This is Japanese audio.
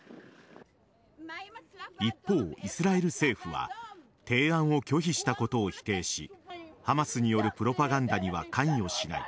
一方、イスラエル政府は提案を拒否したことを否定しハマスによるプロパガンダには関与しない。